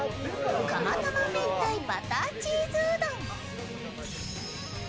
釜玉めんたいバターチーズうどん。